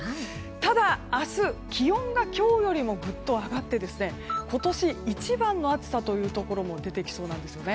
ただ、明日気温が今日よりもぐっと上がって今年一番の暑さというところも出てきそうなんです。